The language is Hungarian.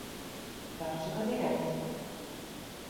Tartsuk az irányt?